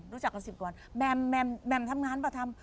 รู้จักกัน๑๐กว่าแม่มทำงานป่ะ